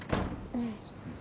うん。